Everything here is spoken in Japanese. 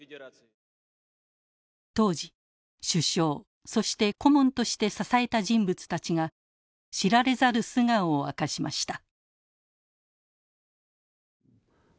当時首相そして顧問として支えた人物たちが知られざる素顔を明かしました。